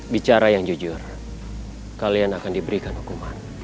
bicara yang jujur kalian akan diberikan hukuman